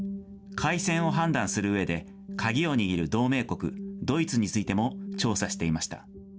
開戦を判断するうえで、鍵を握る同盟国、ドイツについても調査していました。